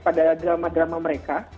pada drama drama mereka